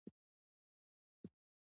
د مالدارۍ له منځه تلل زیان دی.